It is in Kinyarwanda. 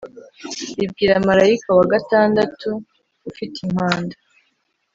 ribwira marayika wa gatandatu ufite impanda